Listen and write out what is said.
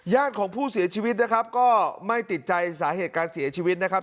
ของผู้เสียชีวิตนะครับก็ไม่ติดใจสาเหตุการเสียชีวิตนะครับ